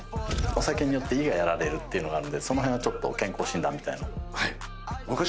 お酒で胃がやられるていうのがあるんでその辺はちょっと健康診断みたいの。